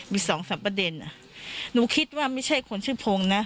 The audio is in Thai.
มีสองสามประเด็นหนูคิดว่าไม่ใช่คนชื่อพงศ์นะ